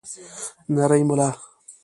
نرۍ ملا